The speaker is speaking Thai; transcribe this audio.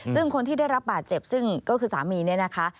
ซึ่งคนที่ได้รับบาดเจ็บซึ่งก็คือสามีเนี่ยนะคะ